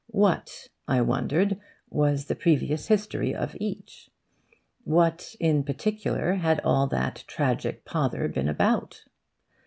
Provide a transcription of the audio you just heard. What, I wondered, was the previous history of each? What, in particular, had all that tragic pother been about?